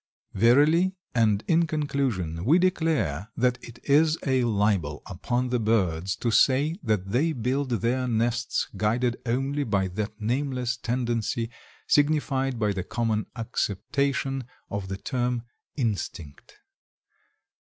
Verily, and in conclusion, we declare that it is a libel upon the birds to say that they build their nests guided only by that nameless tendency signified by the common acceptation of the term "instinct."